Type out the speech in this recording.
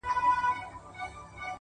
د حقیقت منل د عقل ځواک زیاتوي!.